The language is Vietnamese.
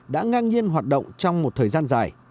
đã ngang nhiên hoạt động trong một thời gian dài